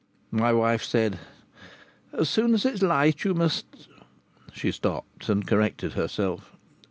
My wife said: "As soon as it's light you must ..." She stopped and corrected herself.